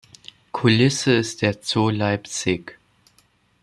Kulisse ist der Zoo Leipzig.